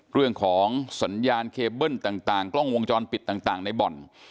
เรื่องของสัญญาณเคเบิ้ลต่างกล้องวงจรปิดต่างในบ่อน